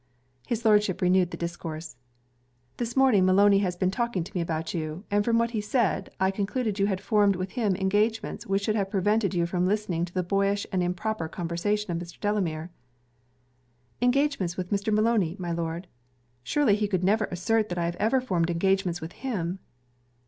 His Lordship renewed the discourse. 'This morning Maloney has been talking to me about you; and from what he said, I concluded you had formed with him engagements which should have prevented you from listening to the boyish and improper conversation of Mr. Delamere.' 'Engagements with Mr. Maloney, my Lord? Surely he could never assert that I have ever formed engagements with him?'